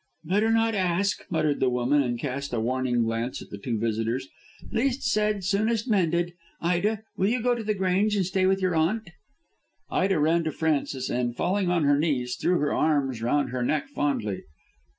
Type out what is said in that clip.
"Better not ask," muttered the woman, and cast a warning glance at the two visitors; "least said, soonest mended. Ida, will you go to The Grange and stay with your aunt?" Ida ran to Frances and, falling on her knees, threw her arms round her neck fondly.